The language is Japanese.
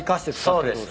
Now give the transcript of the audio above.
そうです。